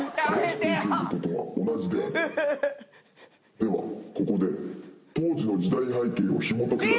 ではここで当時の時代背景をひもときながら。